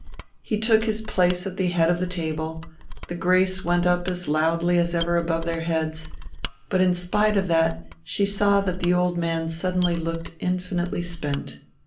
He took his place at the head of the table, the grace went up as loudly as ever above their heads; but in spite of that she saw that the old man suddenly looked infinitely spent.